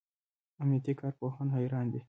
امنیتي کارپوهان حیران دي.